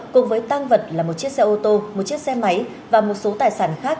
cùng với tăng vật là một chiếc xe ô tô một chiếc xe máy và một số tài sản khác